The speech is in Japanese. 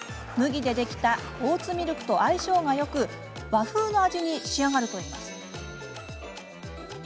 麦でできたオーツミルクと相性がよく和風の味に仕上がるといいます。